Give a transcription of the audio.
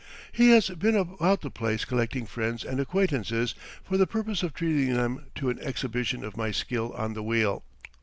He has been about the place collecting friends and acquaintances for the purpose of treating them to an exhibition of my skill on the wheel.